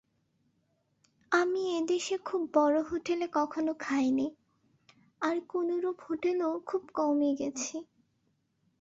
আমি এদেশে খুব বড় হোটেলে কখনও খাইনি, আর কোনরূপ হোটেলেও খুব কমই গেছি।